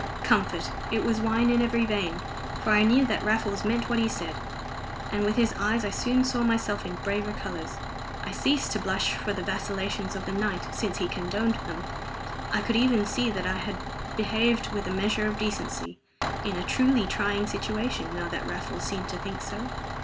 Comfort! It was wine in every vein, for I knew that Raffles meant what he said, and with his eyes I soon saw myself in braver colors. I ceased to blush for the vacillations of the night, since he condoned them. I could even see that I had behaved with a measure of decency, in a truly trying situation, now that Raffles seemed to think so.